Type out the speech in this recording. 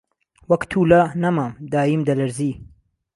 وەک تووله نهمام داییم دهلهرزێ